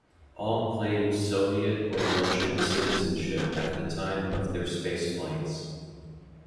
All claimed Soviet or Russian citizenship at the time of their space flights.